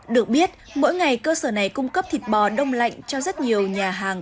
được biết mỗi ngày cơ sở này cung cấp thịt bò đông lạnh cho rất nhiều nhà hàng